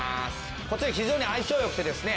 こちら非常に相性よくてですね